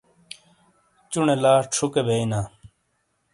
چُنے لا چھُکے بیئینا ۔